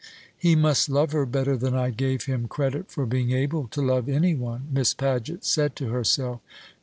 "He must love her better than I gave him credit for being able to love any one," Miss Paget said to herself.